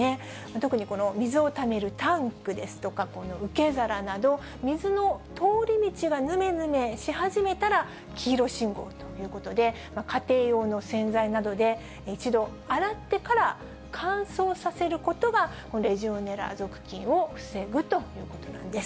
特にこの水をためるタンクですとか、この受け皿など、水の通り道がぬめぬめし始めたら、黄色信号ということで、家庭用の洗剤などで一度、洗ってから乾燥させることが、レジオネラ属菌を防ぐということなんです。